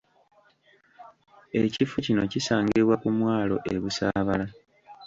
Ekifo kino kisangibwa ku mwalo e Busaabala.